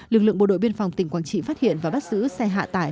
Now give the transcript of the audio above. lực lượng bộ đội biên phòng tỉnh quảng trị phát hiện và bắt giữ xe hạ tải